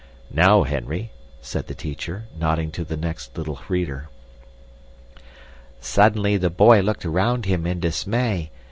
"Now, Henry," said the teacher, nodding to the next little reader. "Suddenly the boy looked around him in dismay.